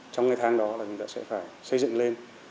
trong tháng đó chúng ta sẽ phải xây dựng lên